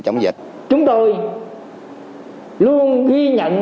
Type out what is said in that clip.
chúng tôi luôn ghi nhận